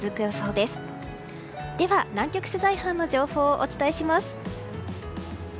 では南極取材班の情報をお伝えします。